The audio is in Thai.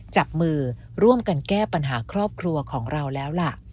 จับมือร่วมกันแก้ปัญหาครอบครัวของเราแล้วล่ะ